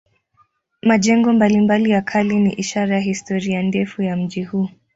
Majengo mbalimbali ya kale ni ishara ya historia ndefu ya mji huu.